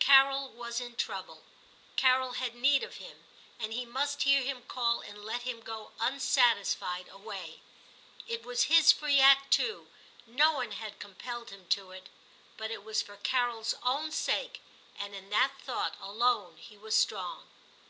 Carol was in trouble ; Carol had need of him, and he must hear him call and let him go unsatisfied away. It was his free act too ; no one had compelled him to it. But it was for Carol's own sake ; and in that thought alone he was strong.